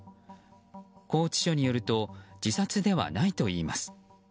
高知署によると自殺ではないといいます。